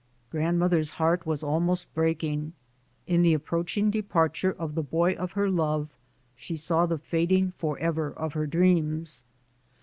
Grandmother's heart was almost breaking. In the approaching depar ture of the boy of her love, she saw the fading for ever of her dreams.